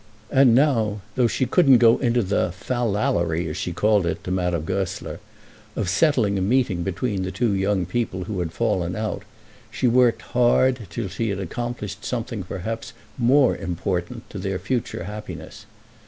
And now, though she couldn't go into the "fal lallery," as she called it, to Madame Goesler, of settling a meeting between two young people who had fallen out, she worked hard till she accomplished something perhaps more important to their future happiness.